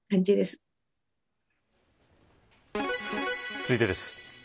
続いてです。